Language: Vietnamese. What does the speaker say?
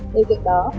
bên cạnh đó